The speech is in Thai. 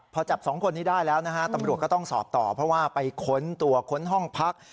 พอจับสองคนนี้ได้แล้วนะฮะตำรวจก็ต้องสอบต่อเพราะว่าไปค้นตัวค้นห้องพัก